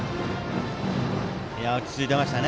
落ち着いてましたね。